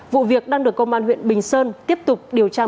vụ việc đang được công an huyện bình sơn tiếp tục điều tra mở rộng